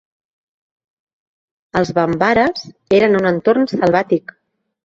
Els bambares eren en un entorn selvàtic.